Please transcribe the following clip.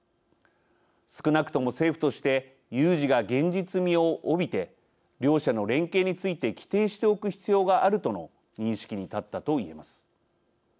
少なくとも政府として有事が現実味を帯びて両者の連携について規定しておく必要があるとの認識に立ったと言えます。